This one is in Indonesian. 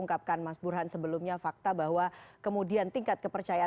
oke jadi pak muradi anda melihat bahwa soal tadi yang kemudian ini